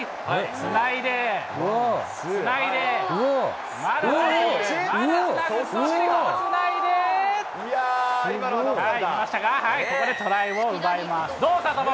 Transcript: つないで、つないで、まだつなぐと、見ましたか、ここでトライを奪います。